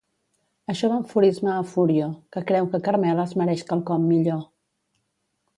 Això va enfurismar a Furio, que creu que Carmela es mereix quelcom millor.